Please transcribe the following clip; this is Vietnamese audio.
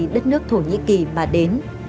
đất nước thổ nhĩ kỳ mà đến